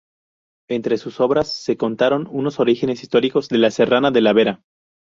Entre sus obras se contaron unos "Orígenes históricos de la serrana de la Vera".